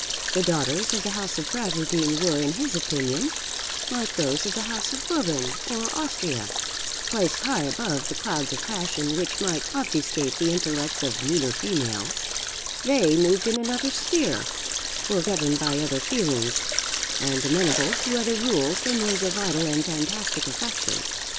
The daughters of the house of Bradwardine were, in his opinion, like those of the house of Bourbon or Austria, placed high above the clouds of passion which might obfuscate the intellects of meaner females; they moved in another sphere, were governed by other feelings, and amenable to other rules than those of idle and fantastic affection.